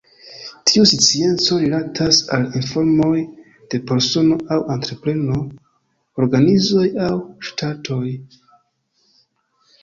Tiu scienco rilatas al informoj de persono aŭ entrepreno, organizoj aŭ ŝtatoj.